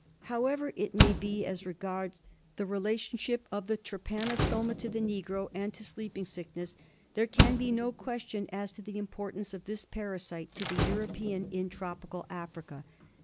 However it may be as regards the relationship of the trypanosoma to the negro and to Sleeping Sick ness, there can be no question as to the importance of this parasite to the European in tropical Africa.